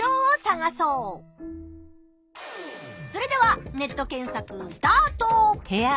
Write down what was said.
それではネット検索スタート！